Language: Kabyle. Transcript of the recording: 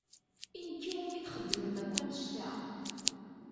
I nekk i wumi txedmem akk annect-a?